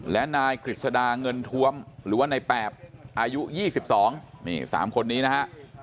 และนายกฤษดาเงินทวมหรือว่านายแปบอายุ๒๒นี่๓คนนี้นะฮะ